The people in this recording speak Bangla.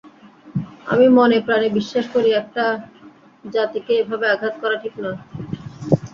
আমি মনে-প্রাণে বিশ্বাস করি, একটা জাতিকে এভাবে আঘাত করা ঠিক নয়।